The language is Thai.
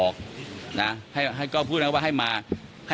ก็ท่านพบผมก็ถามพบ